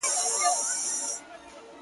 نن مي و لیدی په ښار کي ښایسته زوی د بادار,